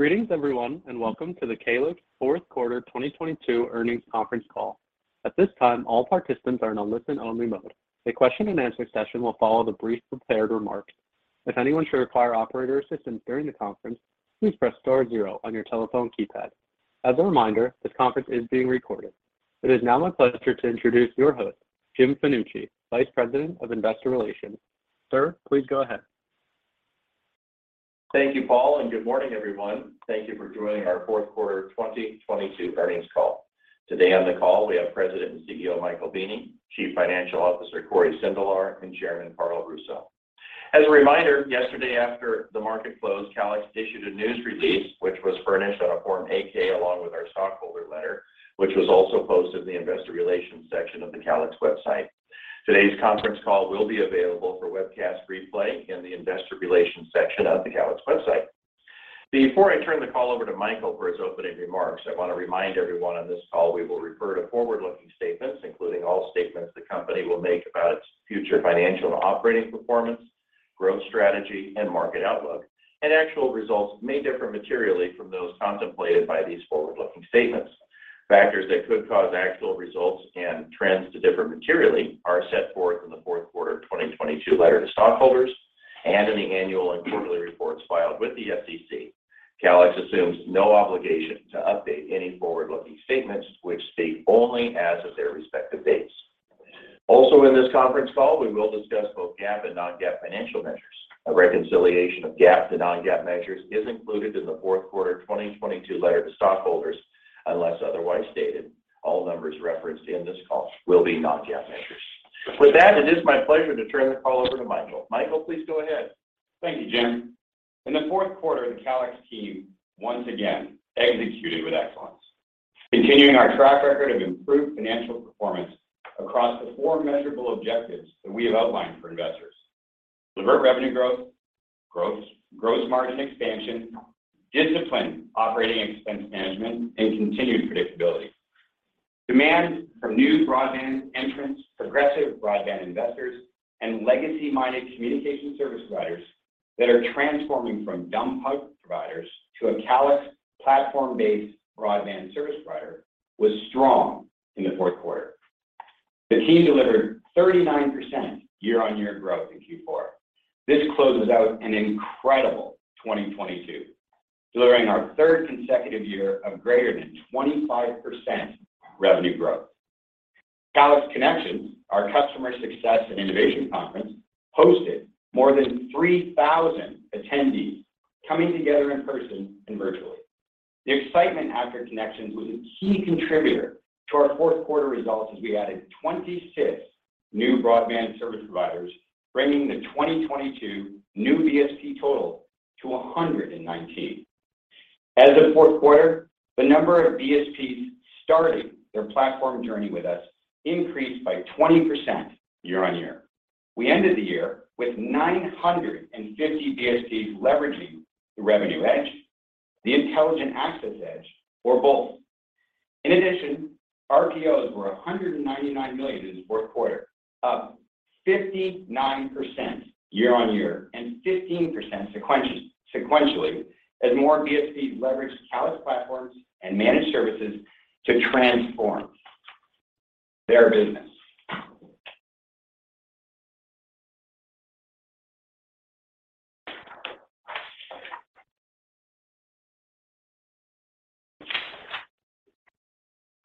Greetings, everyone, welcome to the Calix fourth quarter 2022 earnings conference call. At this time, all participants are in a listen-only mode. A question-and-answer session will follow the brief prepared remarks. If anyone should require operator assistance during the conference, please press star zero on your telephone keypad. A reminder, this conference is being recorded. It is now my pleasure to introduce your host, Jim Fanucchi, Vice President of Investor Relations. Sir, please go ahead. Thank you, Paul. Good morning, everyone. Thank you for joining our 4th quarter 2022 earnings call. Today on the call we have President and CEO Michael Weening, Chief Financial Officer Cory Sindelar, and Chairman Carl Russo. As a reminder, yesterday after the market closed, Calix issued a news release, which was furnished on a Form 8-K along with our stockholder letter, which was also posted in the investor relations section of the Calix website. Today's conference call will be available for webcast replay in the investor relations section of the Calix website. Before I turn the call over to Michael for his opening remarks, I want to remind everyone on this call we will refer to forward-looking statements, including all statements the company will make about its future financial and operating performance, growth strategy, and market outlook. Actual results may differ materially from those contemplated by these forward-looking statements. Factors that could cause actual results and trends to differ materially are set forth in the fourth quarter 2022 letter to stockholders and in the annual and quarterly reports filed with the SEC. Calix assumes no obligation to update any forward-looking statements, which state only as of their respective dates. Also in this conference call, we will discuss both GAAP and non-GAAP financial measures. A reconciliation of GAAP to non-GAAP measures is included in the fourth quarter 2022 letter to stockholders. Unless otherwise stated, all numbers referenced in this call will be non-GAAP measures. With that, it is my pleasure to turn the call over to Michael. Michael, please go ahead. Thank you, Jim. In the fourth quarter, the Calix team once again executed with excellence, continuing our track record of improved financial performance across the four measurable objectives that we have outlined for investors. Delivery revenue growth, gross margin expansion, disciplined operating expense management, and continued predictability. Demand from new broadband entrants, progressive broadband investors, and legacy-minded communication service providers that are transforming from dumb pipe providers to a Calix platform-based broadband service provider was strong in the fourth quarter. The team delivered 39% year-over-year growth in Q4. This closes out an incredible 2022, delivering our third consecutive year of greater than 25% revenue growth. Calix ConneXions, our customer success and innovation conference, hosted more than 3,000 attendees coming together in person and virtually. The excitement after ConneXions was a key contributor to our fourth quarter results as we added 26 new broadband service providers, bringing the 2022 new BSP total to 119. As of fourth quarter, the number of BSPs starting their platform journey with us increased by 20% year-on-year. We ended the year with 950 BSPs leveraging the Revenue EDGE, the Intelligent Access EDGE, or both. RPOs were $199 million in the fourth quarter, up 59% year-on-year and 15% sequentially as more BSPs leveraged Calix platforms and managed services to transform their business.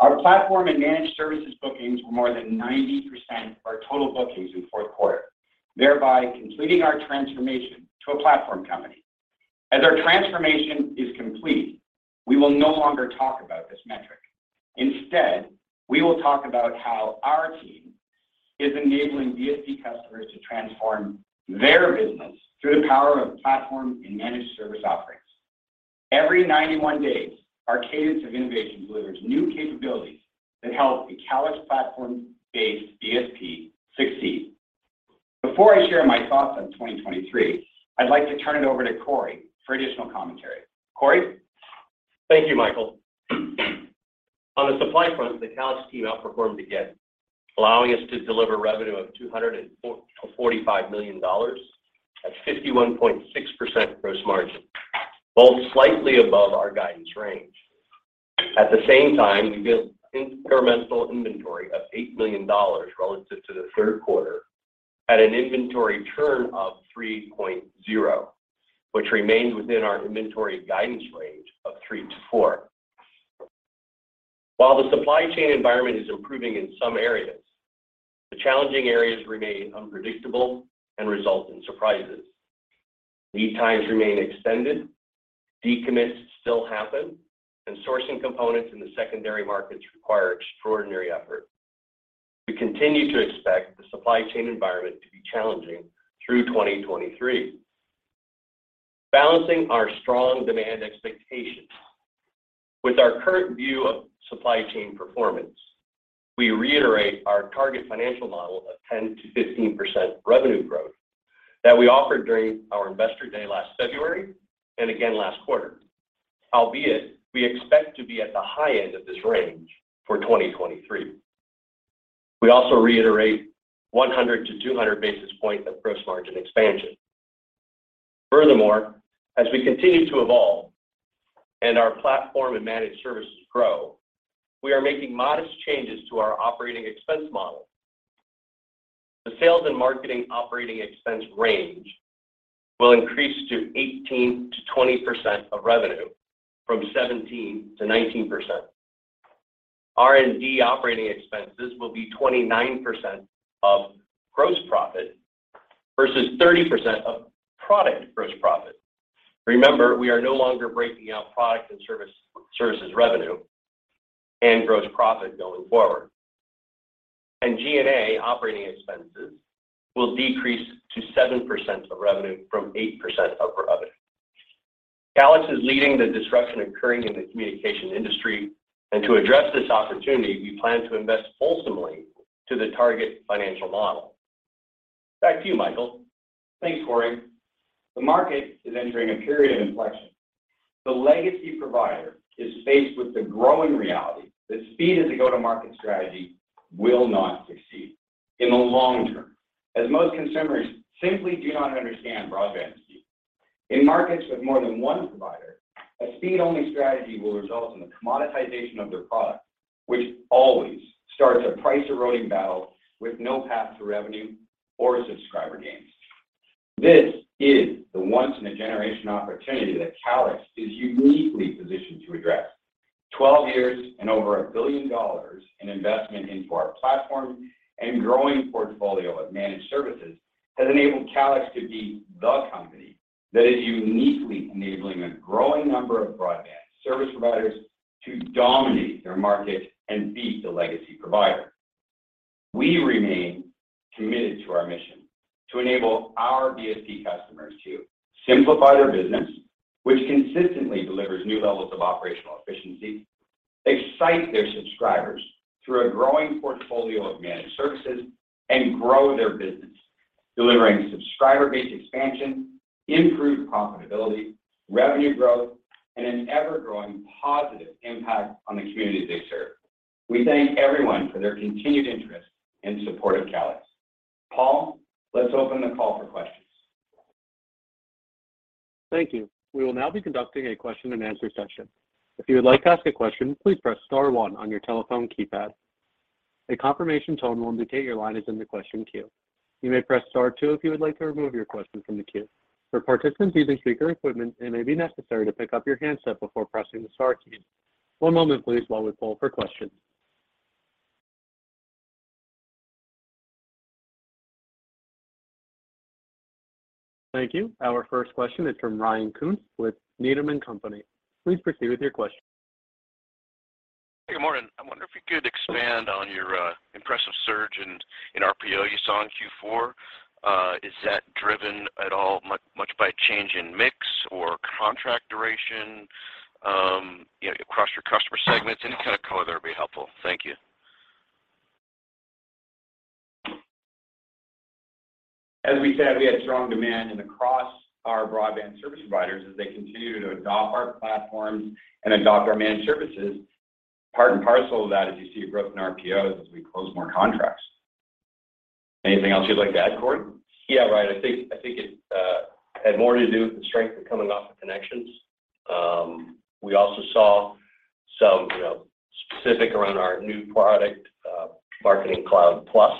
Our platform and managed services bookings were more than 90% of our total bookings in fourth quarter, thereby completing our transformation to a platform company. As our transformation is complete, we will no longer talk about this metric. Instead, we will talk about how our team is enabling BSP customers to transform their business through the power of platform and managed service offerings. Every 91 days, our cadence of innovation delivers new capabilities that help a Calix platform-based BSP succeed. Before I share my thoughts on 2023, I'd like to turn it over to Cory for additional commentary. Cory? Thank you, Michael. On the supply front, the Calix team outperformed again, allowing us to deliver revenue of $245 million at 51.6% gross margin, both slightly above our guidance range. At the same time, we built incremental inventory of $8 million relative to the third quarter at an inventory turn of 3.0, which remains within our inventory guidance range of 3-4. While the supply chain environment is improving in some areas, the challenging areas remain unpredictable and result in surprises. Lead times remain extended, decommits still happen, and sourcing components in the secondary markets require extraordinary effort. We continue to expect the supply chain environment to be challenging through 2023. Balancing our strong demand expectations with our current view of supply chain performance, we reiterate our target financial model of 10%-15% revenue growth that we offered during our investor day last February and again last quarter. Albeit, we expect to be at the high end of this range for 2023. We also reiterate 100-200 basis points of gross margin expansion. Furthermore, as we continue to evolve and our platform and managed services grow, we are making modest changes to our operating expense model. The sales and marketing operating expense range will increase to 18%-20% of revenue from 17%-19%. R&D operating expenses will be 29% of gross profit versus 30% of product gross profit. Remember, we are no longer breaking out product and service, services revenue and gross profit going forward. G&A operating expenses will decrease to 7% of revenue from 8% of revenue. Calix is leading the disruption occurring in the communication industry. To address this opportunity, we plan to invest fulsomely to the target financial model. Back to you, Michael. Thanks, Cory. The market is entering a period of inflection. The legacy provider is faced with the growing reality that speed as a go-to-market strategy will not succeed in the long term, as most consumers simply do not understand broadband speed. In markets with more than one provider, a speed-only strategy will result in the commoditization of their product, which always starts a price-eroding battle with no path to revenue or subscriber gains. This is the once-in-a-generation opportunity that Calix is uniquely positioned to address. 12 years and over $1 billion in investment into our platform and growing portfolio of managed services has enabled Calix to be the company that is uniquely enabling a growing number of broadband service providers to dominate their market and beat the legacy provider. We remain committed to our mission to enable our BSP customers to simplify their business, which consistently delivers new levels of operational efficiency, excite their subscribers through a growing portfolio of managed services, and grow their business, delivering subscriber-based expansion, improved profitability, revenue growth, and an ever-growing positive impact on the communities they serve. We thank everyone for their continued interest and support of Calix. Paul, let's open the call for questions. Thank you. We will now be conducting a question and answer session. If you would like to ask a question, please press star one on your telephone keypad. A confirmation tone will indicate your line is in the question queue. You may press star two if you would like to remove your question from the queue. For participants using speaker equipment, it may be necessary to pick up your handset before pressing the star keys. One moment please while we poll for questions. Thank you. Our first question is from Ryan Koontz with Needham & Company. Please proceed with your question. Good morning. I wonder if you could expand on your impressive surge in RPO you saw in Q4. Is that driven at all much by change in mix or contract duration, you know, across your customer segments? Any kind of color there would be helpful. Thank you. As we said, we had strong demand across our broadband service providers as they continue to adopt our platforms and adopt our managed services. Part and parcel of that is you see a growth in RPOs as we close more contracts. Anything else you'd like to add, Cory? Yeah, Ryan, I think it had more to do with the strength of coming off of ConneXions. We also saw some, you know, specific around our new product, Marketing Cloud Plus.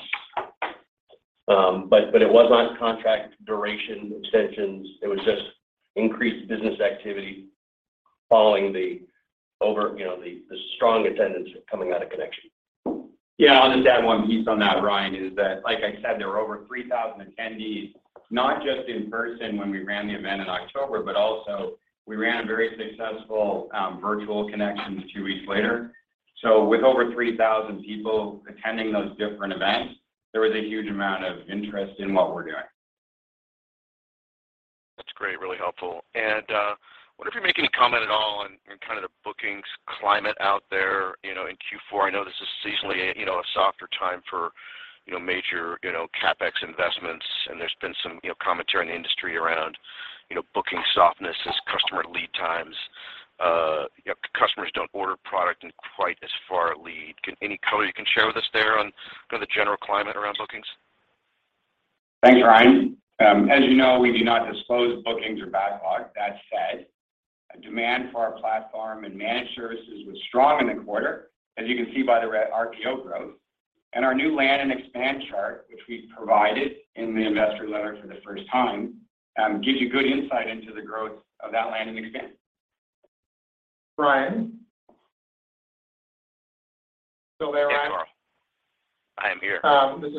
It was not contract duration extensions. It was just increased business activity following the over, you know, the strong attendance coming out of ConneXions. Yeah. I'll just add one piece on that, Ryan, is that, like I said, there were over 3,000 attendees, not just in person when we ran the event in October, but also we ran a very successful virtual ConneXions 2 weeks later. With over 3,000 people attending those different events, there was a huge amount of interest in what we're doing. That's great. Really helpful. I wonder if you make any comment at all on kind of the bookings climate out there, you know, in Q4. I know this is seasonally, you know, a softer time for, you know, major, you know, CapEx investments, and there's been some, you know, commentary in the industry around, you know, booking softness as customer lead times. You know, customers don't order product in quite as far a lead. Any color you can share with us there on kind of the general climate around bookings? Thanks, Ryan. As you know, we do not disclose bookings or backlog. That said, demand for our platform and managed services was strong in the quarter, as you can see by the R-RPO growth. Our new land and expand chart, which we provided in the investor letter for the first time, gives you good insight into the growth of that land and expand. Ryan. Still there, Ryan? Yes, Carl. I am here.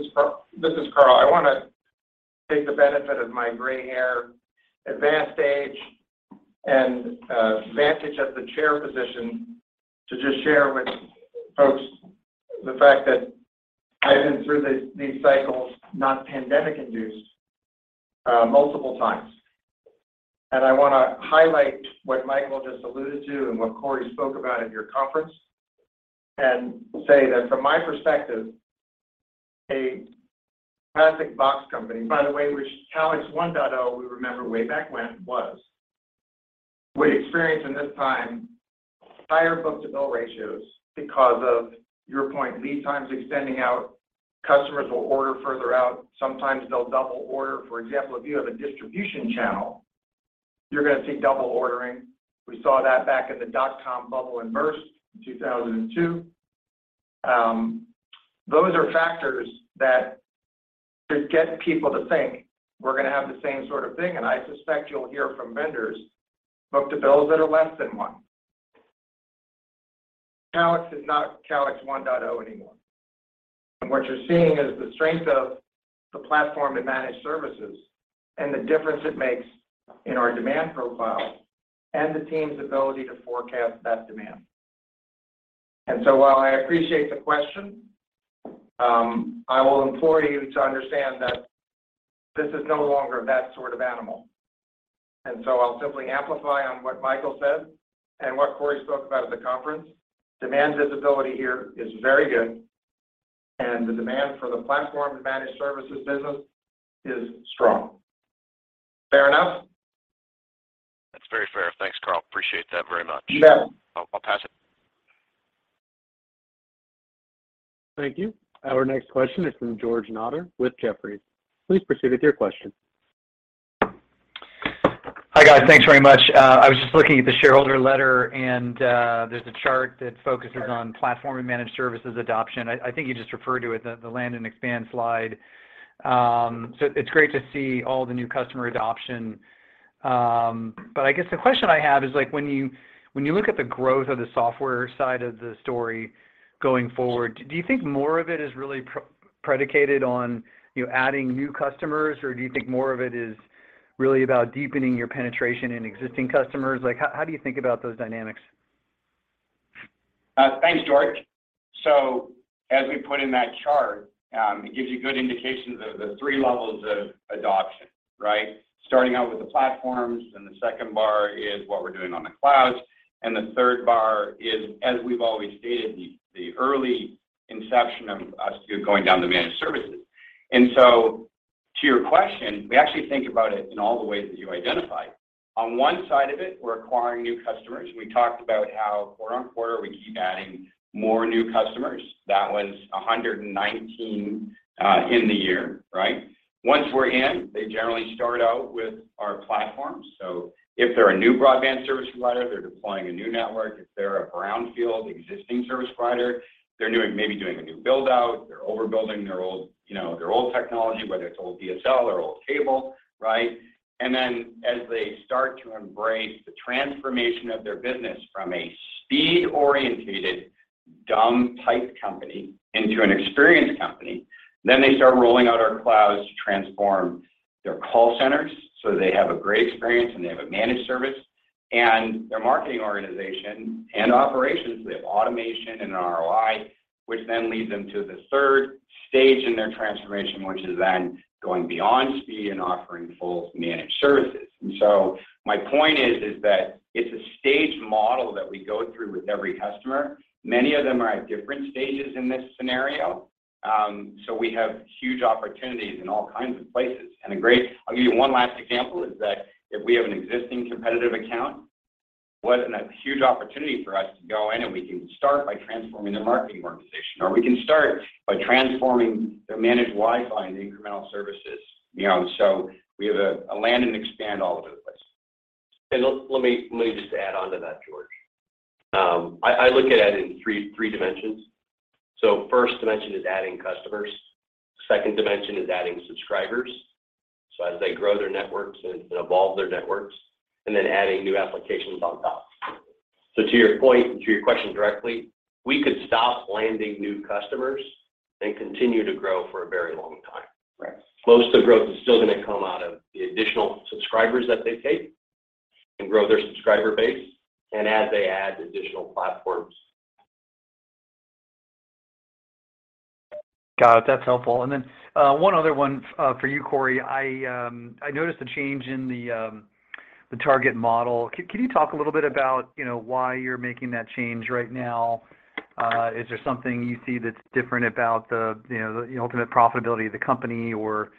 This is Carl. I want to take the benefit of my gray hair, advanced age, and vantage of the chair position to just share with folks the fact that I've been through these cycles, not pandemic induced, multiple times. I want to highlight what Michael just alluded to and what Cory spoke about at your conference and say that from my perspective, a classic box company, by the way, which Calix 1.0 we remember way back when was We experience in this time higher book-to-bill ratios because of your point, lead times extending out, customers will order further out, sometimes they'll double order. For example, if you have a distribution channel, you're going to see double ordering. We saw that back at the dot-com bubble and burst in 2002. Those are factors that should get people to think we're going to have the same sort of thing. I suspect you'll hear from vendors book-to-bills that are less than 1. Calix is not Calix 1.0 anymore. What you're seeing is the strength of the platform and managed services and the difference it makes in our demand profile and the team's ability to forecast that demand. While I appreciate the question, I will implore you to understand that this is no longer that sort of animal. I'll simply amplify on what Michael said, and what Corey spoke about at the conference. Demand visibility here is very good, and the demand for the platform and managed services business is strong. Fair enough? That's very fair. Thanks, Carl. Appreciate that very much. You bet. I'll pass it. Thank you. Our next question is from George Notter with Jefferies. Please proceed with your question. Hi, guys. Thanks very much. I was just looking at the shareholder letter. There's a chart that focuses on platform and managed services adoption. I think you just referred to it, the land and expand slide. It's great to see all the new customer adoption. I guess the question I have is like when you look at the growth of the software side of the story going forward, do you think more of it is really predicated on, you adding new customers? Or do you think more of it is really about deepening your penetration in existing customers? Like, how do you think about those dynamics? Thanks, George. As we put in that chart, it gives you good indications of the three levels of adoption, right? Starting out with the platforms, the second bar is what we're doing on the clouds, and the third bar is, as we've always stated, the early inception of us going down to managed services. To your question, we actually think about it in all the ways that you identified. On one side of it, we're acquiring new customers. We talked about how quarter-on-quarter we keep adding more new customers. That was 119 in the year, right? Once we're in, they generally start out with our platforms. If they're a new broadband service provider, they're deploying a new network. If they're a brownfield existing service provider, maybe doing a new build-out. They're overbuilding their old, you know, their old technology, whether it's old DSL or old cable, right? Then as they start to embrace the transformation of their business from a speed-orientated dumb pipe company into an experience company, then they start rolling out our clouds to transform their call centers, so they have a great experience, and they have a managed service. Their marketing organization and operations, they have automation and ROI, which then leads them to the third stage in their transformation, which is then going beyond speed and offering full managed services. My point is that it's a stage model that we go through with every customer. Many of them are at different stages in this scenario. So we have huge opportunities in all kinds of places. I'll give you one last example, is that if we have an existing competitive account, what a huge opportunity for us to go in, and we can start by transforming their marketing organization, or we can start by transforming their managed Wi-Fi and incremental services. You know, so we have a land and expand all over the place. Let me just add on to that, George. I look at it in three dimensions. First dimension is adding customers. Second dimension is adding subscribers. As they grow their networks and evolve their networks, then adding new applications on top. To your point, to your question directly, we could stop landing new customers and continue to grow for a very long time. Right. Most of the growth is still going to come out of the additional subscribers that they take and grow their subscriber base and as they add additional platforms. Got it. That's helpful. Then, one other one for you, Cory. I noticed a change in the target model. Can you talk a little bit about, you know, why you're making that change right now? Is there something you see that's different about the, you know, the ultimate profitability of the company or,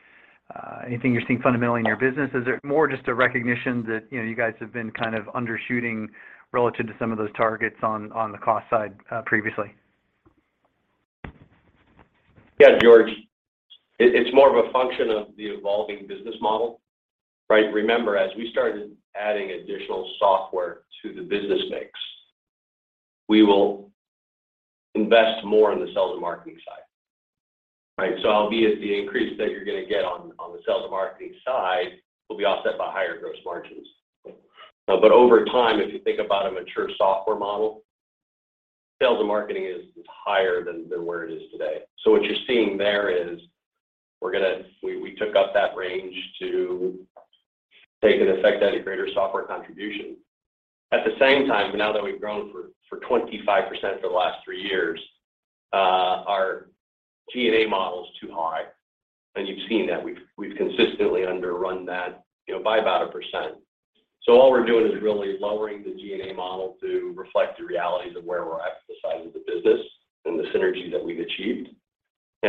anything you're seeing fundamentally in your business? Is it more just a recognition that, you know, you guys have been kind of undershooting relative to some of those targets on the cost side, previously? Yeah, George. It's more of a function of the evolving business model, right? Remember, as we started adding additional software to the business mix, we will invest more in the sales and marketing side, right? Albeit the increase that you're going to get on the sales and marketing side will be offset by higher gross margins. Over time, if you think about a mature software model, sales and marketing is higher than where it is today. What you're seeing there is we took up that range to take into effect that greater software contribution. At the same time, now that we've grown for 25% for the last three years, our G&A model is too high. You've seen that. We've consistently underrun that, you know, by about 1%. All we're doing is really lowering the G&A model to reflect the realities of where we're at with the size of the business and the synergy that we've achieved.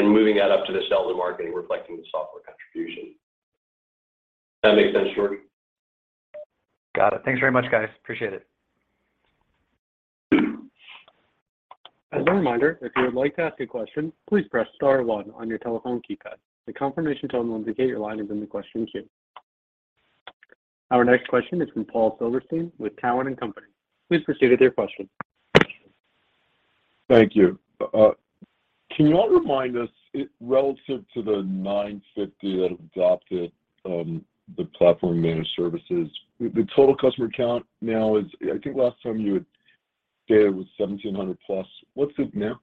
Moving that up to the sales and marketing reflecting the software contribution. That make sense, Jordan? Got it. Thanks very much, guys. Appreciate it. As a reminder, if you would like to ask a question, please press star one on your telephone keypad. A confirmation tone will indicate your line is in the question queue. Our next question is from Paul Silverstein with Cowen and Company. Please proceed with your question. Thank you. Can you all remind us if relative to the 950 that adopted, the platform managed services, the total customer count now is, I think last time you had stated it was 1,700 plus. What's it now?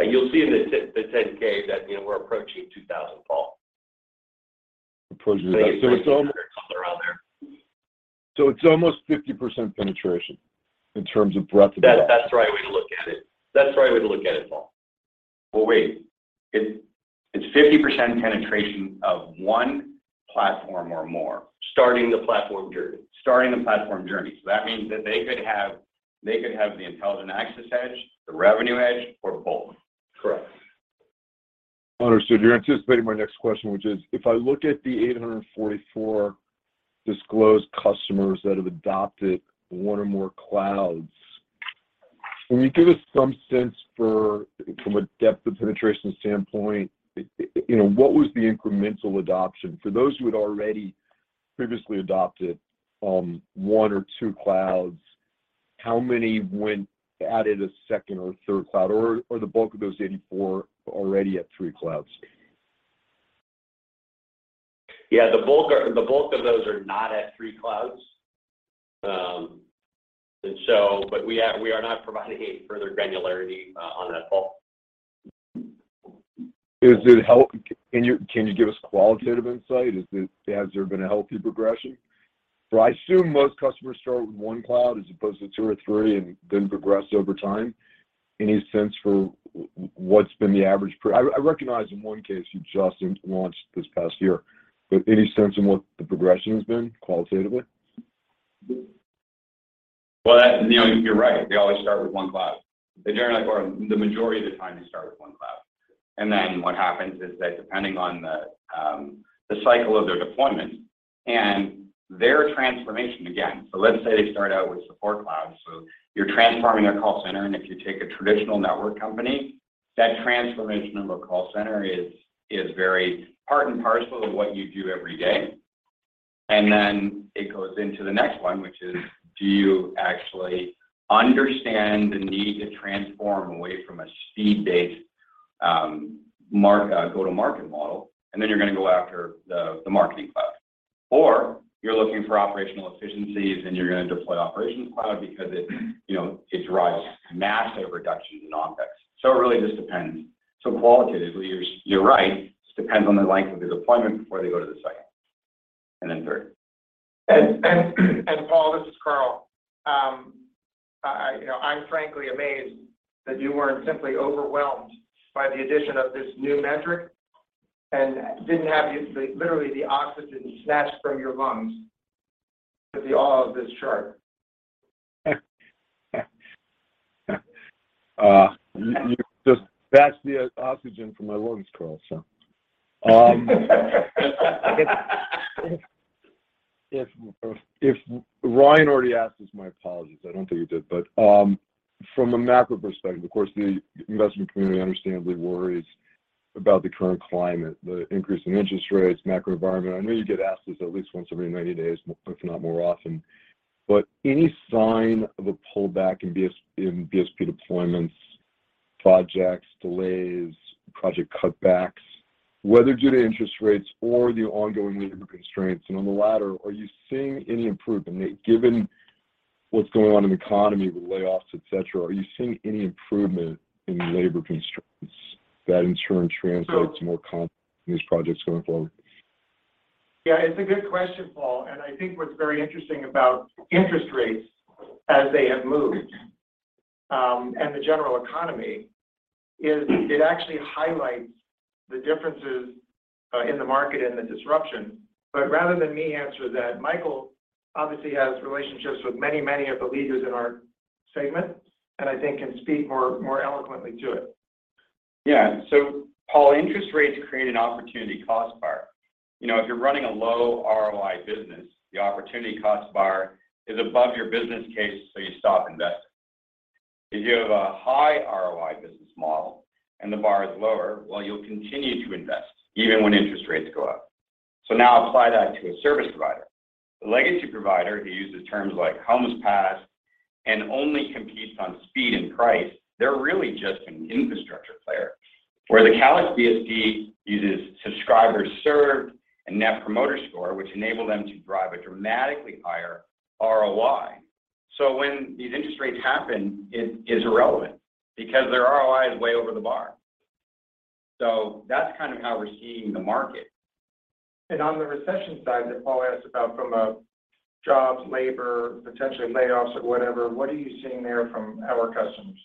You'll see in the 10-K that, you know, we're approaching 2,000, Paul. Approaching that. somewhere around there. It's almost 50% penetration in terms of breadth of that. That's the right way to look at it. That's the right way to look at it, Paul. Well, wait, it's 50% penetration of one platform or more. Starting the platform journey. That means that they could have the Intelligent Access EDGE, the Revenue EDGE, or both. Correct. Understood. You're anticipating my next question, which is if I look at the 844 disclosed customers that have adopted one or more clouds, can you give us some sense for, from a depth of penetration standpoint, you know, what was the incremental adoption? For those who had already previously adopted, one or two clouds, how many added a second or third cloud, or the bulk of those 84 already at three clouds? Yeah, the bulk are, the bulk of those are not at three clouds. We are not providing any further granularity on that, Paul. Can you give us qualitative insight? Has there been a healthy progression? I assume most customers start with one cloud as opposed to two or three, and then progress over time. I recognize in one case you just launched this past year, but any sense in what the progression has been qualitatively? That, you know, you're right, they always start with 1 cloud. The majority of the time they start with 1 cloud. Then what happens is that depending on the cycle of their deployment and their transformation, again, let's say they start out with Support Cloud. You're transforming a call center, and if you take a traditional network company, that transformation of a call center is very part and parcel to what you do every day. Then it goes into the next one, which is do you actually understand the need to transform away from a seed-based go-to-market model, and then you're gonna go after the Marketing Cloud. You're looking for operational efficiencies, and you're gonna deploy Operations Cloud because it, you know, it drives massive reductions in OpEx. It really just depends. Qualitatively, you're right. Just depends on the length of the deployment before they go to the second and then third. Paul, this is Carl. you know, I'm frankly amazed that you weren't simply overwhelmed by the addition of this new metric and didn't have the, literally the oxygen snatched from your lungs with the awe of this chart. You just snatched the oxygen from my lungs, Carl. If Ryan already asked this, my apologies. I don't think he did. From a macro perspective, of course, the investment community understandably worries about the current climate, the increase in interest rates, macro environment. I know you get asked this at least once every 90 days, if not more often. Any sign of a pullback in BSP deployments, projects, delays, project cutbacks, whether due to interest rates or the ongoing labor constraints? On the latter, are you seeing any improvement, given what's going on in the economy with layoffs, et cetera, are you seeing any improvement in labor constraints that in turn translates more these projects going forward? Yeah, it's a good question, Paul. I think what's very interesting about interest rates as they have moved, and the general economy is it actually highlights the differences in the market and the disruption. Rather than me answer that, Michael obviously has relationships with many of the leaders in our segment, and I think can speak more eloquently to it. Yeah. Paul, interest rates create an opportunity cost bar. You know, if you're running a low ROI business, the opportunity cost bar is above your business case, so you stop investing. If you have a high ROI business model and the bar is lower, well, you'll continue to invest even when interest rates go up. Now apply that to a service provider. The legacy provider who uses terms like Homes Passed and only competes on speed and price, they're really just an infrastructure player. Where the Calix BSP uses subscribers served and Net Promoter Score, which enable them to drive a dramatically higher ROI. When these interest rates happen, it is irrelevant because their ROI is way over the bar. That's kind of how we're seeing the market. On the recession side that Paul asked about from a jobs, labor, potentially layoffs or whatever, what are you seeing there from our customers?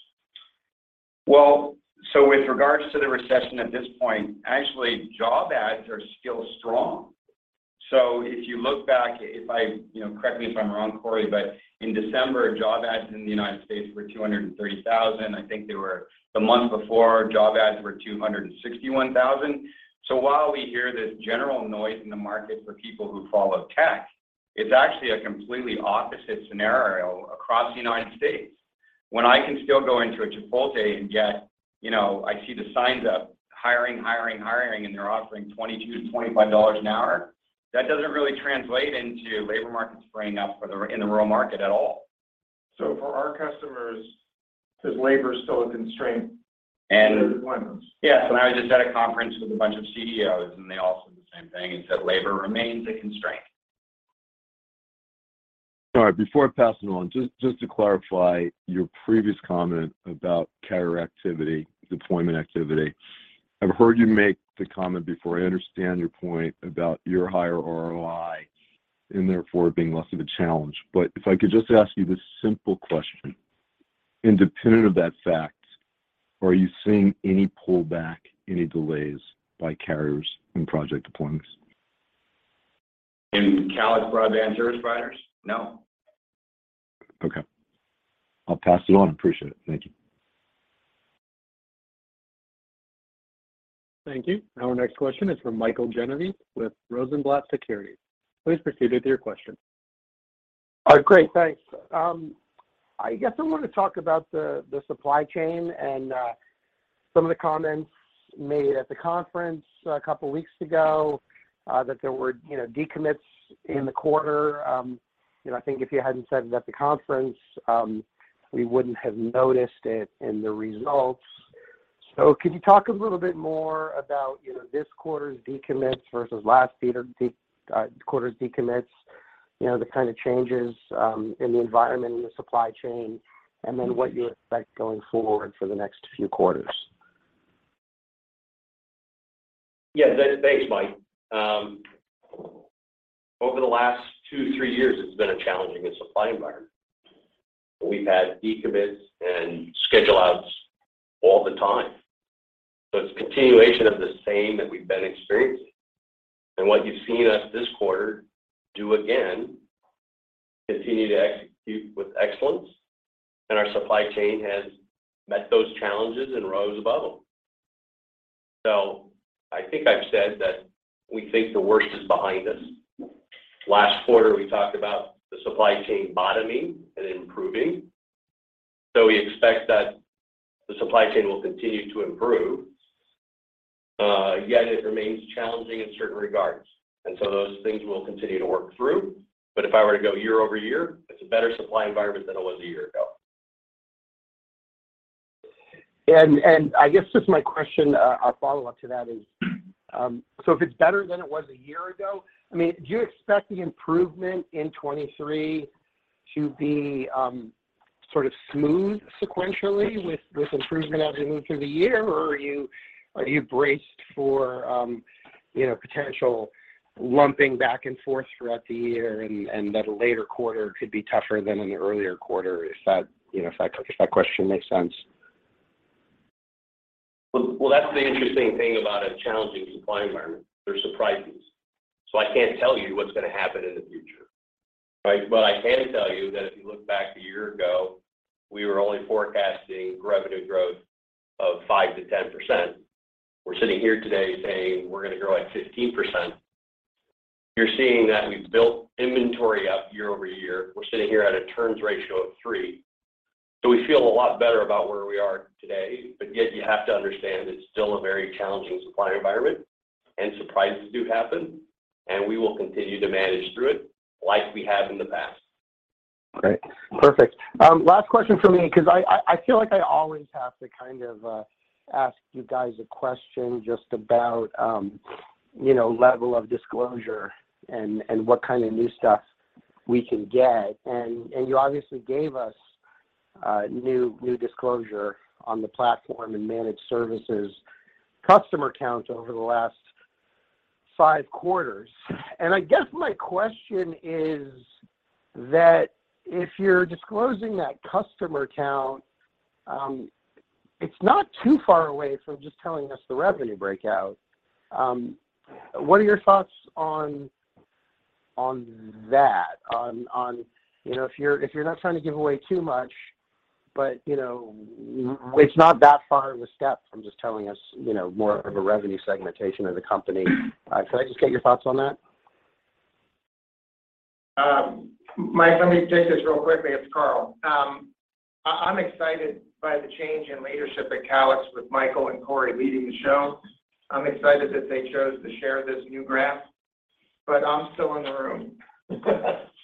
With regards to the recession at this point, actually job ads are still strong. If you look back, you know, correct me if I'm wrong, Cory, but in December, job ads in the United States were 230,000. I think the month before, job ads were 261,000. While we hear this general noise in the market for people who follow tech, it's actually a completely opposite scenario across the United States. When I can still go into a Chipotle and get, you know, I see the signs up, hiring, hiring, and they're offering $22-$25 an hour, that doesn't really translate into labor markets freeing up in the rural market at all. For our customers, is labor still a constraint? Yes. I was just at a conference with a bunch of CEOs, and they all said the same thing and said labor remains a constraint. All right. Before I pass it on, just to clarify your previous comment about carrier activity, deployment activity. I've heard you make the comment before. I understand your point about your higher ROI and therefore it being less of a challenge. If I could just ask you this simple question, independent of that fact, are you seeing any pullback, any delays by carriers in project deployments? In Calix broadband service providers? No. Okay. I'll pass it on. Appreciate it. Thank you. Thank you. Our next question is from Mike Genovese with Rosenblatt Securities. Please proceed with your question. All right, great. Thanks. I guess I want to talk about the supply chain and some of the comments made at the conference a couple weeks ago, that there were, you know, decommits in the quarter. you know, I think if you hadn't said it at the conference, we wouldn't have noticed it in the results. Can you talk a little bit more about, you know, this quarter's decommits versus last quarter's decommits, you know, the kind of changes, in the environment and the supply chain, and then what you expect going forward for the next few quarters? Yeah. Thanks, Mike. Over the last two, three years, it's been a challenging supply environment. We've had decommits and schedule outs all the time. It's a continuation of the same that we've been experiencing. What you've seen us this quarter do again, continue to execute with excellence, and our supply chain has met those challenges and rose above them. I think I've said that we think the worst is behind us. Last quarter, we talked about the supply chain bottoming and improving. We expect that the supply chain will continue to improve, yet it remains challenging in certain regards. Those things we'll continue to work through. If I were to go year-over-year, it's a better supply environment than it was a year ago. I guess just my question, a follow-up to that is, if it's better than it was a year ago, I mean, do you expect the improvement in 23 to be sort of smooth sequentially with improvement as we move through the year? Or are you braced for, you know, potential lumping back and forth throughout the year and that a later quarter could be tougher than an earlier quarter, if that, you know, if that question makes sense? Well, well, that's the interesting thing about a challenging supply environment. There's surprises. I can't tell you what's gonna happen in the future. Right? I can tell you that if you look back a year ago, we were only forecasting revenue growth of 5% to 10%. We're sitting here today saying we're gonna grow at 15%. You're seeing that we've built inventory up year-over-year. We're sitting here at a turns ratio of 3. We feel a lot better about where we are today, but yet you have to understand it's still a very challenging supply environment, and surprises do happen, and we will continue to manage through it like we have in the past. Great. Perfect. Last question for me because I feel like I always have to kind of ask you guys a question just about, you know, level of disclosure and what kind of new stuff we can get. You obviously gave us new disclosure on the platform and managed services customer count over the last 5 quarters. I guess my question is that if you're disclosing that customer count, it's not too far away from just telling us the revenue breakout. What are your thoughts on that? On, you know, if you're not trying to give away too much, but, you know, it's not that far of a step from just telling us, you know, more of a revenue segmentation of the company. Could I just get your thoughts on that? Mike, let me take this real quickly. It's Carl. I'm excited by the change in leadership at Calix with Michael and Cory leading the show. I'm excited that they chose to share this new graph, but I'm still in the room.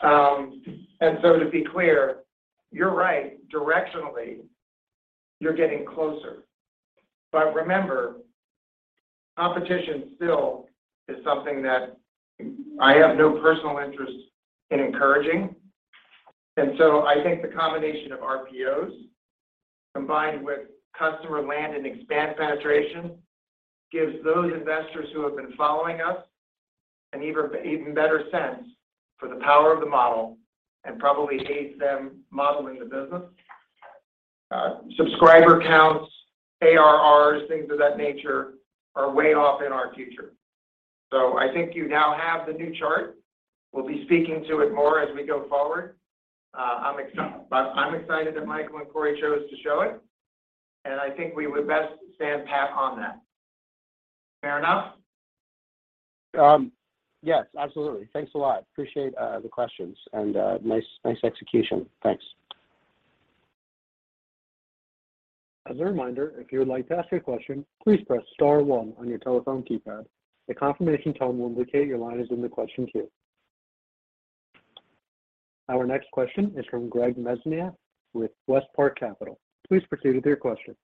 To be clear, you're right. Directionally, you're getting closer. Remember, competition still is something that I have no personal interest in encouraging. I think the combination of RPOs combined with customer land and expand penetration gives those investors who have been following us an even better sense for the power of the model and probably aids them modeling the business. Subscriber counts, ARRs, things of that nature are way off in our future. I think you now have the new chart. We'll be speaking to it more as we go forward. I'm excited that Michael and Cory chose to show it, and I think we would best stand pat on that. Fair enough? Yes, absolutely. Thanks a lot. Appreciate the questions and nice execution. Thanks. As a reminder, if you would like to ask a question, please press star one on your telephone keypad. The confirmation tone will indicate your line is in the question queue. Our next question is from Greg Mesniaeff with WestPark Capital. Please proceed with your question.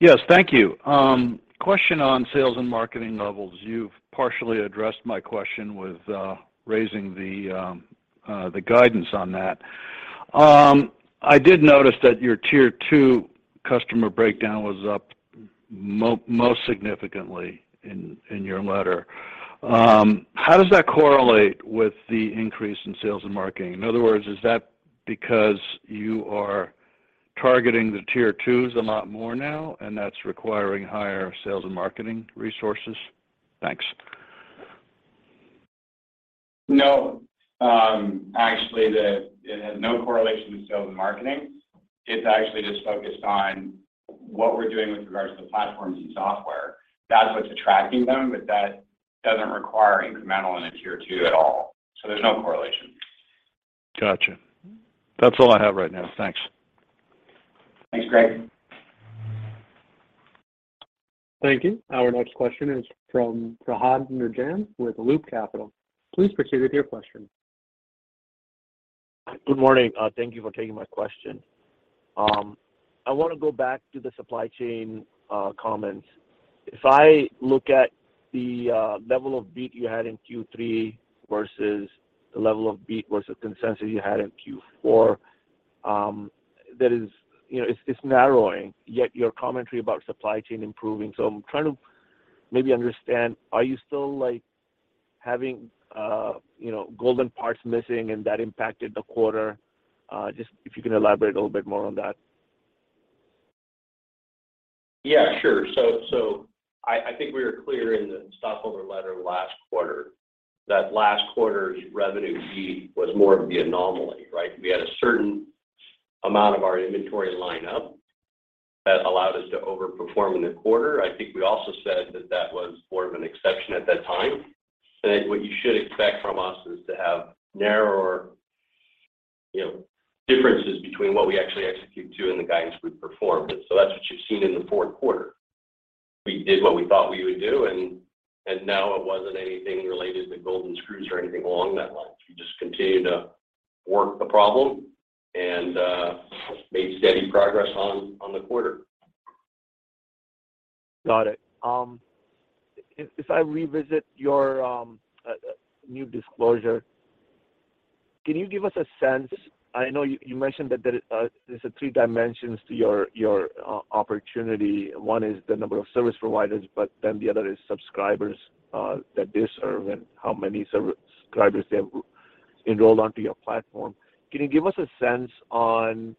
Yes. Thank you. Question on sales and marketing levels. You've partially addressed my question with raising the guidance on that. I did notice that your tier two customer breakdown was up most significantly in your letter. How does that correlate with the increase in sales and marketing? In other words, is that because you are targeting the tier twos a lot more now, and that's requiring higher sales and marketing resources? Thanks. No. actually, it has no correlation to sales and marketing. It's actually just focused on what we're doing with regards to the platforms and software. That's what's attracting them, but that doesn't require incremental in a tier two at all, so there's no correlation. Gotcha. That's all I have right now. Thanks. Thanks, Greg. Thank you. Our next question is from Fahad Najam with Loop Capital. Please proceed with your question. Good morning. Thank you for taking my question. I wanna go back to the supply chain comments. If I look at the level of beat you had in Q3 versus the level of beat versus consensus you had in Q4, that is, you know, it's narrowing, yet your commentary about supply chain improving. I'm trying to maybe understand, are you still, like, having, you know, golden parts missing and that impacted the quarter? Just if you can elaborate a little bit more on that. Yeah, sure. I think we were clear in the stockholder letter last quarter that last quarter's revenue beat was more of the anomaly, right? We had a certain amount of our inventory line up that allowed us to overperform in the quarter. I think we also said that that was more of an exception at that time. What you should expect from us is to have narrower, you know, differences between what we actually execute to and the guidance we performed. That's what you've seen in the fourth quarter. We did what we thought we would do, and no, it wasn't anything related to golden screws or anything along that line. We just continued to work the problem and made steady progress on the quarter. Got it. If I revisit your new disclosure, can you give us a sense? I know you mentioned that there's 3 dimensions to your opportunity. One is the number of service providers. The other is subscribers that they serve and how many subscribers they have enrolled onto your platform. Can you give us a sense on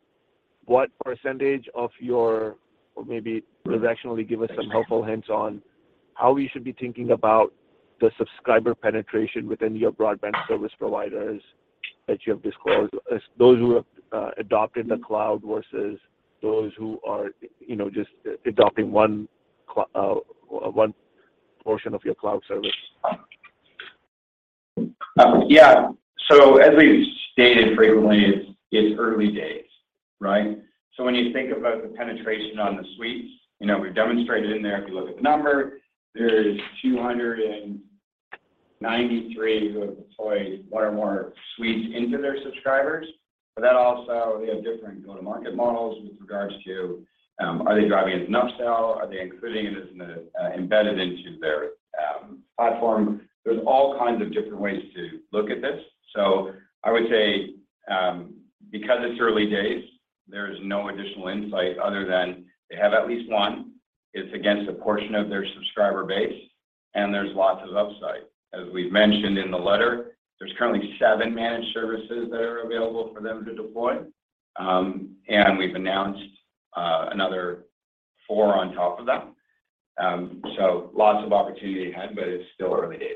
what percentage of or maybe directionally give us some helpful hints on how we should be thinking about the subscriber penetration within your broadband service providers that you have disclosed, as those who have adopted the cloud versus those who are, you know, just adopting one portion of your cloud service? Yeah. As we've stated frequently, it's early days, right? When you think about the penetration on the suites, you know, we've demonstrated in there, if you look at the number, there's 293 who have deployed one or more suites into their subscribers. That also, they have different go-to-market models with regards to, are they driving it as an upsell? Are they including it as an embedded into their platform? There's all kinds of different ways to look at this. I would say, because it's early days, there's no additional insight other than they have at least one. It's against a portion of their subscriber base, and there's lots of upside. As we've mentioned in the letter, there's currently seven managed services that are available for them to deploy, and we've announced another four on top of that. Lots of opportunity ahead, but it's still early days.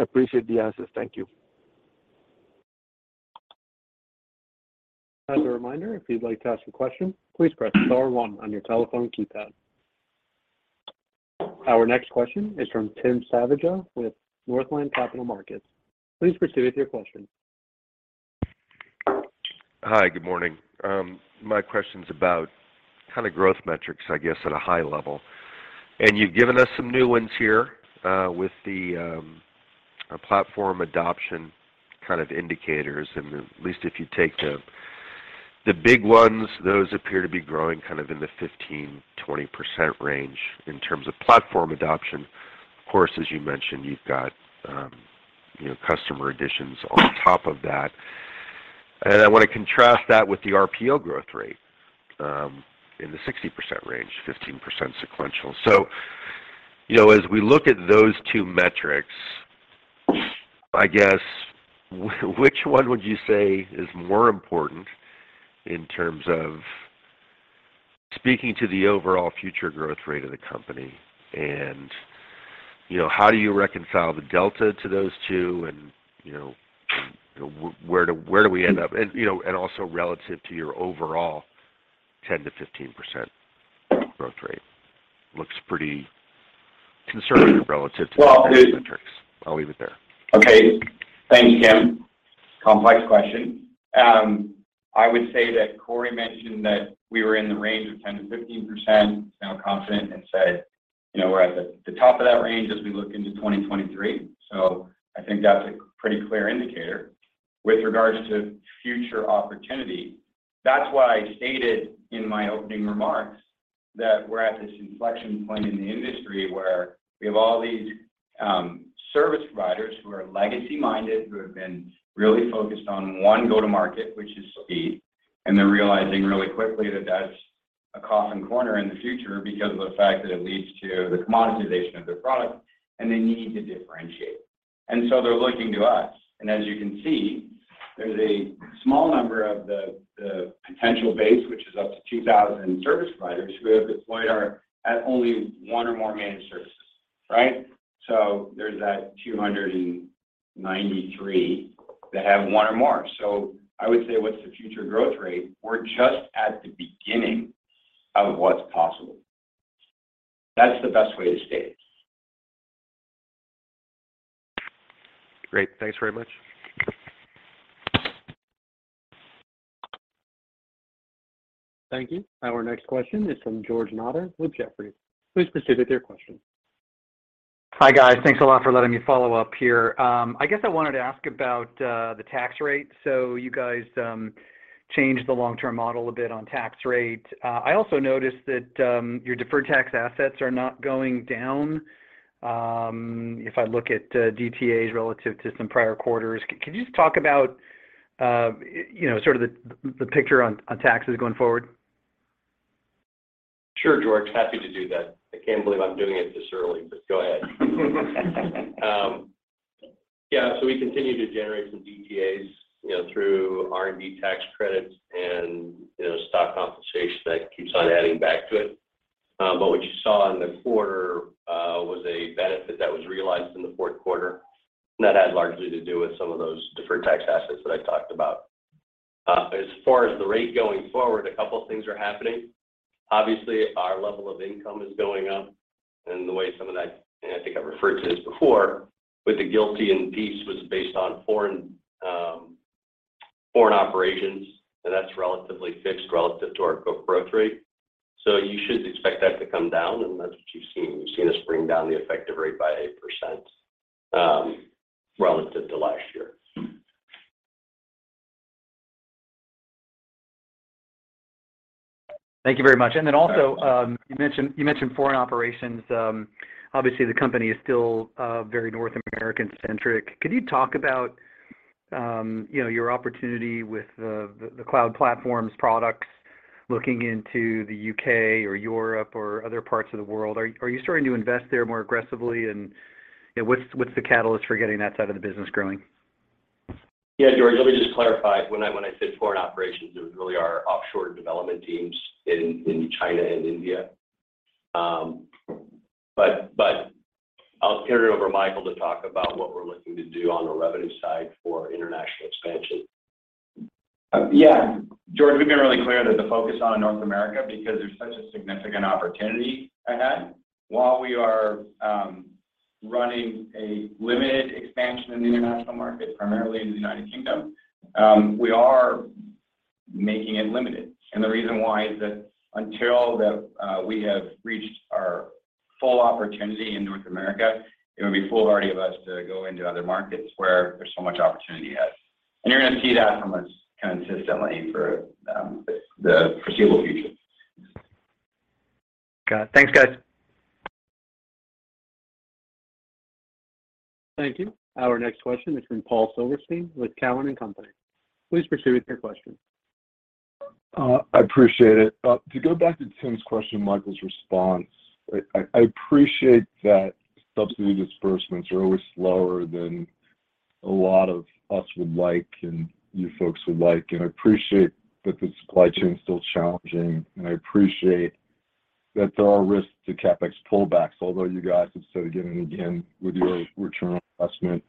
Fahad. I appreciate the answers. Thank you. As a reminder, if you'd like to ask a question, please press star one on your telephone keypad. Our next question is from Timothy Savageaux with Northland Capital Markets. Please proceed with your question. Hi. Good morning. My question's about kind of growth metrics, I guess, at a high level. You've given us some new ones here, with the platform adoption kind of indicators. At least if you take the big ones, those appear to be growing kind of in the 15%-20% range in terms of platform adoption. Of course, as you mentioned, you've got, you know, customer additions on top of that. I want to contrast that with the RPO growth rate, in the 60% range, 15% sequential. You know, as we look at those two metrics... I guess, which one would you say is more important in terms of speaking to the overall future growth rate of the company? You know, how do you reconcile the delta to those two? You know, where do we end up? You know, relative to your overall 10%-15% growth rate looks pretty conservative relative to the current metrics. Well, I'll leave it there. Okay. Thanks, Tim. Complex question. I would say that Cory mentioned that we were in the range of 10%-15%, sound confident, and said, you know, we're at the top of that range as we look into 2023. I think that's a pretty clear indicator. With regards to future opportunity, that's why I stated in my opening remarks that we're at this inflection point in the industry where we have all these service providers who are legacy-minded, who have been really focused on one go-to-market, which is speed. They're realizing really quickly that that's a coffin corner in the future because of the fact that it leads to the commoditization of their product, and they need to differentiate. They're looking to us. As you can see, there's a small number of the potential base, which is up to 2,000 service providers who have deployed at only one or more managed services, right? There's that 293 that have one or more. I would say what's the future growth rate? We're just at the beginning of what's possible. That's the best way to state it. Great. Thanks very much. Thank you. Our next question is from George Notter with Jefferies. Please proceed with your question. Hi, guys. Thanks a lot for letting me follow up here. I guess I wanted to ask about the tax rate. You guys changed the long-term model a bit on tax rate. I also noticed that your deferred tax assets are not going down. If I look at DTAs relative to some prior quarters. Can you just talk about, you know, sort of the picture on taxes going forward? Sure, George. Happy to do that. I can't believe I'm doing it this early, but go ahead. Yeah. We continue to generate some DTAs, you know, through R&D tax credits and, you know, stock compensation that keeps on adding back to it. What you saw in the quarter was a benefit that was realized in the fourth quarter, and that had largely to do with some of those deferred tax assets that I talked about. As far as the rate going forward, a couple of things are happening. Obviously, our level of income is going up. The way some of that, and I think I've referred to this before, with the GILTI and BEAT was based on foreign operations, and that's relatively fixed relative to our growth rate. You should expect that to come down, and that's what you've seen. You've seen us bring down the effective rate by 8%, relative to last year. Thank you very much. Also, you mentioned foreign operations. Obviously, the company is still very North American-centric. Could you talk about, you know, your opportunity with the cloud platforms products looking into the U.K. or Europe or other parts of the world? Are you starting to invest there more aggressively? You know, what's the catalyst for getting that side of the business growing? Yeah, George, let me just clarify. When I said foreign operations, it was really our offshore development teams in China and India. I'll turn it over to Michael to talk about what we're looking to do on the revenue side for international expansion. Yeah. George, we've been really clear that the focus on North America because there's such a significant opportunity ahead. While we are running a limited expansion in the international markets, primarily in the United Kingdom, we are making it limited. The reason why is that until we have reached our full opportunity in North America, it would be foolhardy of us to go into other markets where there's so much opportunity ahead. You're gonna see that from us consistently for the foreseeable future. Got it. Thanks, guys. Thank you. Our next question is from Paul Silverstein with Cowen and Company. Please proceed with your question. I appreciate it. To go back to Tim's question, Michael's response, I appreciate that subsidy disbursements are always slower than a lot of us would like, and you folks would like. I appreciate that the supply chain is still challenging, I appreciate that there are risks to CapEx pullbacks, although you guys have said again and again with your return on investment,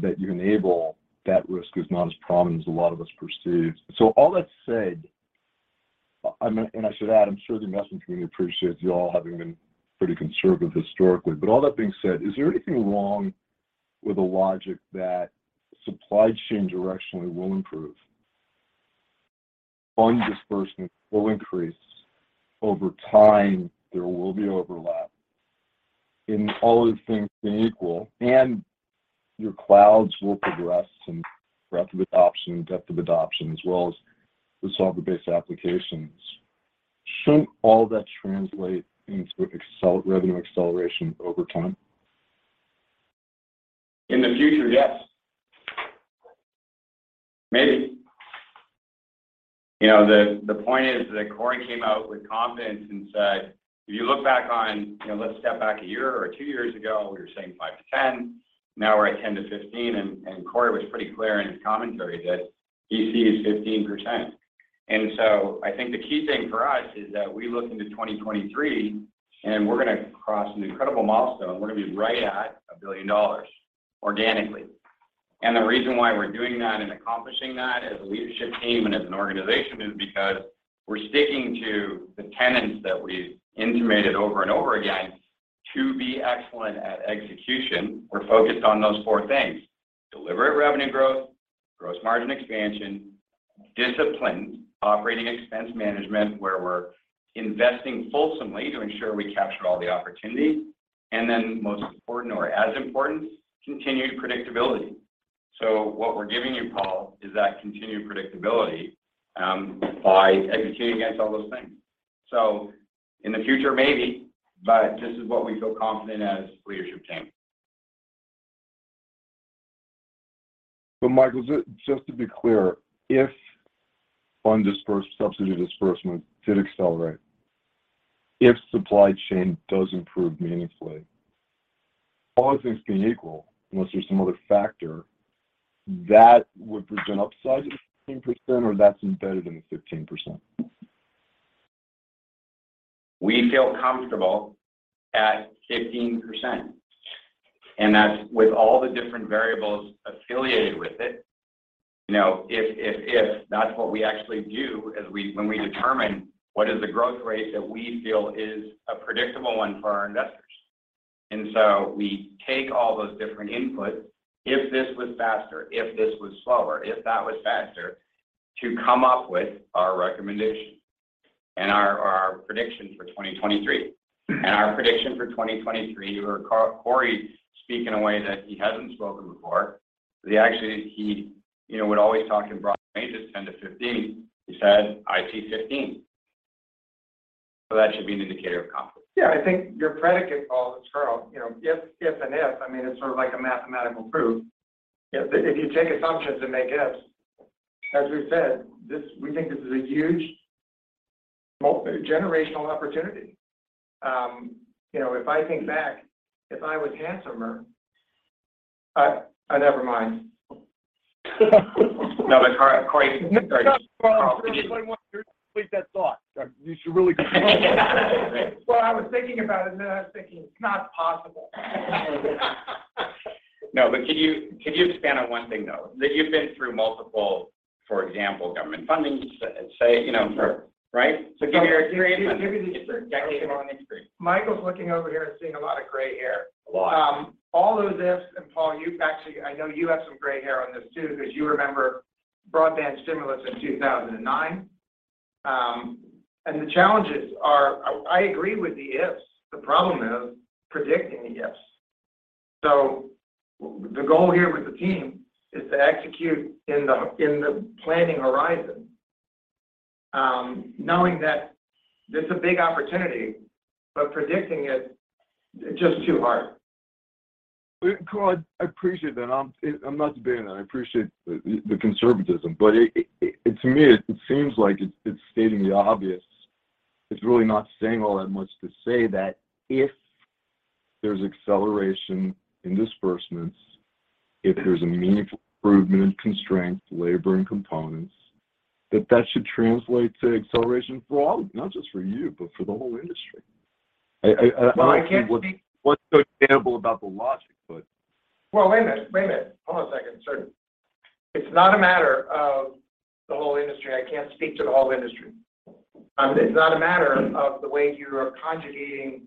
that you enable that risk is not as prominent as a lot of us perceived. All that said, I should add, I'm sure the investment community appreciates you all having been pretty conservative historically. All that being said, is there anything wrong with the logic that supply chain directionally will improve? Fund disbursement will increase. Over time, there will be overlap. In all other things being equal, and your clouds will progress, and breadth of adoption, depth of adoption, as well as the software-based applications. Shouldn't all that translate into revenue acceleration over time? In the future, yes. Maybe. You know, the point is that Cory came out with confidence and said, "If you look back on, you know, let's step back a year or two years ago, we were saying 5%-10%. Now we're at 10%-15%." Cory was pretty clear in his commentary that he sees 15%. I think the key thing for us is that we look into 2023, and we're gonna cross an incredible milestone. We're gonna be right at $1 billion organically. The reason why we're doing that and accomplishing that as a leadership team and as an organization is because we're sticking to the tenets that we've intimated over and over again to be excellent at execution. We're focused on those four things. Deliberate revenue growth, gross margin expansion, disciplined OpEx management, where we're investing fulsomely to ensure we capture all the opportunity, and then most important or as important, continued predictability. What we're giving you, Paul, is that continued predictability by executing against all those things. In the future, maybe, but this is what we feel confident as leadership team. Michael, just to be clear, if subsidy disbursement did accelerate, if supply chain does improve meaningfully, all other things being equal, unless there's some other factor, that would present upside of 15% or that's embedded in the 15%? We feel comfortable at 15%, and that's with all the different variables affiliated with it. You know, if that's what we actually view as when we determine what is the growth rate that we feel is a predictable one for our investors. We take all those different inputs, if this was faster, if this was slower, if that was faster, to come up with our recommendation and our prediction for 2023. Our prediction for 2023, you heard Cory speak in a way that he hasn't spoken before. He actually, you know, would always talk in broad ranges, 10%-15%. He said, "I see 15%." That should be an indicator of confidence. Yeah, I think your predicate, Paul, Carl, you know, if, and if, I mean, it's sort of like a mathematical proof. If you take assumptions and make ifs, as we've said, we think this is a huge multi-generational opportunity. You know, if I think back, if I was handsomer, I never mind. No, but Cory, sorry. No, it's not, Paul. If anybody wants to complete that thought. You should really. Well, I was thinking about it, and then I was thinking it's not possible. Could you expand on one thing, though? That you've been through multiple, for example, government fundings, you know, right? Give me your experience on this. Give you the experience. Michael's looking over here and seeing a lot of gray hair. A lot. all those ifs, and Paul, you've actually, I know you have some gray hair on this too, because you remember Broadband Stimulus in 2009. The challenges are, I agree with the ifs. The problem is predicting the ifs. The goal here with the team is to execute in the, in the planning horizon, knowing that this is a big opportunity, but predicting it is just too hard. Well, Carl, I appreciate that. I'm not debating that. I appreciate the conservatism. It, to me, it seems like it's stating the obvious. It's really not saying all that much to say that if there's acceleration in disbursements, if there's a meaningful improvement in constraints, labor, and components, that that should translate to acceleration for all of you. Not just for you, but for the whole industry. Well, I can't speak. What's so debatable about the logic, but. Well, wait a minute. Wait a minute. Hold on a second. Sorry. It's not a matter of the whole industry. I can't speak to the whole industry. It's not a matter of the way you're conjugating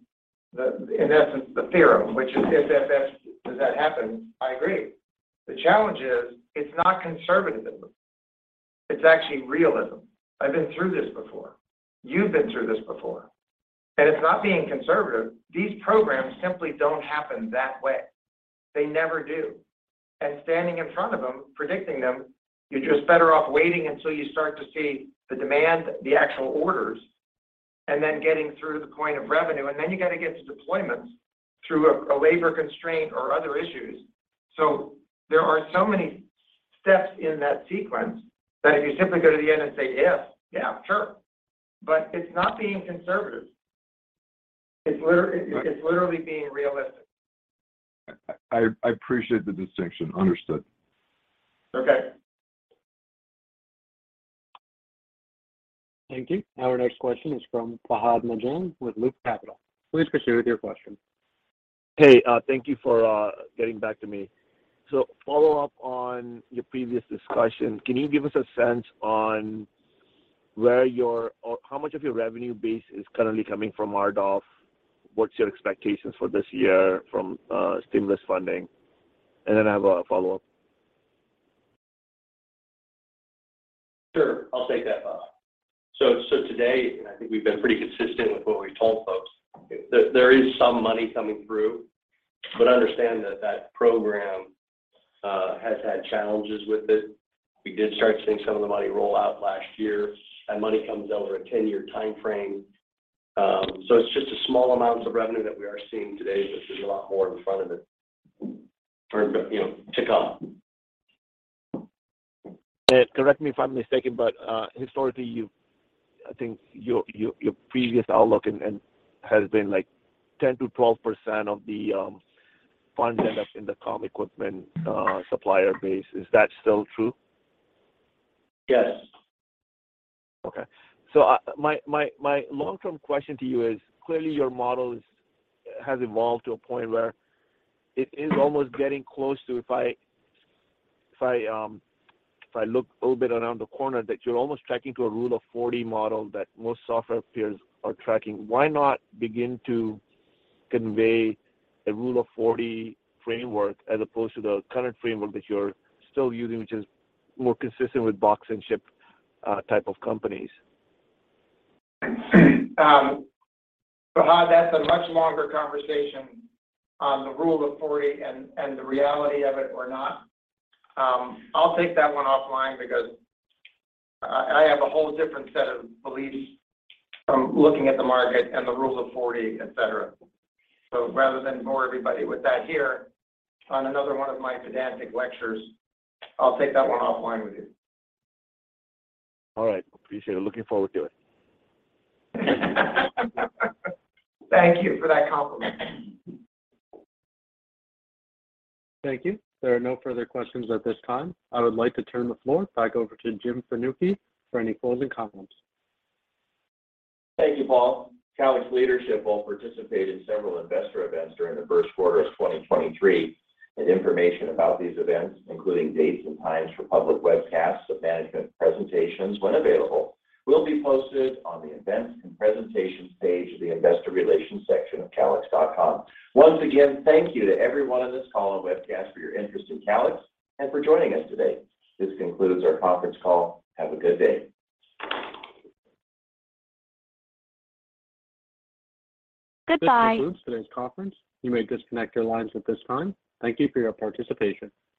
the, in essence, the theorem, which is if, if, does that happen? I agree. The challenge is it's not conservatism. It's actually realism. I've been through this before. You've been through this before. It's not being conservative. These programs simply don't happen that way. They never do. Standing in front of them, predicting them, you're just better off waiting until you start to see the demand, the actual orders, and then getting through to the point of revenue. You got to get to deployments through a labor constraint or other issues. There are so many steps in that sequence that if you simply go to the end and say if, yeah, sure. It's not being conservative. It's literally being realistic. I appreciate the distinction. Understood. Okay. Thank you. Our next question is from Fahad Najam with Loop Capital. Please proceed with your question. Hey, thank you for getting back to me. Follow up on your previous discussion, can you give us a sense on where your or how much of your revenue base is currently coming from RDOF? What's your expectations for this year from stimulus funding? I have a follow-up. Sure. I'll take that, Fahad. Today, I think we've been pretty consistent with what we've told folks, there is some money coming through. Understand that program has had challenges with it. We did start seeing some of the money roll out last year. That money comes over a 10-year timeframe. It's just a small amounts of revenue that we are seeing today, but there's a lot more in front of it for, you know, to come. Correct me if I'm mistaken, but, historically, I think your previous outlook has been like 10%-12% of the funds end up in the comm equipment, supplier base. Is that still true? Yes. My long-term question to you is, clearly your model has evolved to a point where it is almost getting close to if I look a little bit around the corner, that you're almost tracking to a Rule of 40 model that most software peers are tracking. Why not begin to convey a Rule of 40 framework as opposed to the current framework that you're still using, which is more consistent with box and ship, type of companies? Fahad, that's a much longer conversation on the Rule of 40 and the reality of it or not. I'll take that one offline because I have a whole different set of beliefs from looking at the market and the Rule of 40, et cetera. Rather than bore everybody with that here on another one of my pedantic lectures, I'll take that one offline with you. All right. Appreciate it. Looking forward to it. Thank you for that compliment. Thank you. There are no further questions at this time. I would like to turn the floor back over to Jim Fanucchi for any closing comments. Thank you, Paul. Calix leadership will participate in several investor events during the first quarter of 2023. Information about these events, including dates and times for public webcasts of management presentations when available, will be posted on the Events and Presentations page of the investor relations section of calix.com. Once again, thank you to everyone on this call and webcast for your interest in Calix and for joining us today. This concludes our conference call. Have a good day. Goodbye. This concludes today's conference. You may disconnect your lines at this time. Thank you for your participation.